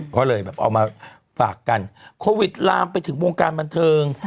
ก็เลยแบบเอามาฝากกันโควิดลามไปถึงวงการบันเทิง